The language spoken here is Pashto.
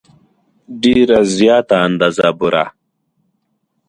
ډېره زیاته اندازه بوره.